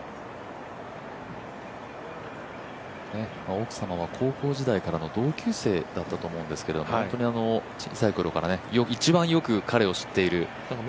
奥様は高校時代からの同級生だったと思うんですけれども本当に、小さい頃から、一番よく彼を知っている人みたいですね。